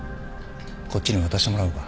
こっちに渡してもらおうか。